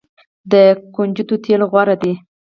د کنجدو تیل غوره دي.